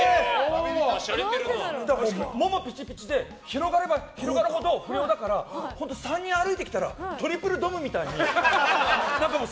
だから、ももピチピチで広がれば広がるほど不良だから本当に３人歩いてきたらトリプルドムみたいな。